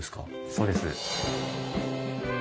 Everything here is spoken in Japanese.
そうです。